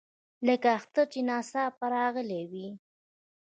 لکه اختر چې ناڅاپه راغلی وي.